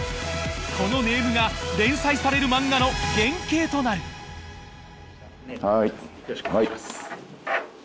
このネームが連載される漫画の原型となるよろしくお願いします。